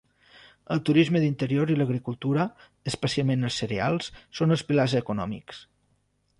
El turisme d'interior i l'agricultura, especialment els cereals, són els pilars econòmics.